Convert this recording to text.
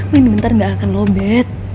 main bentar gak akan lowbat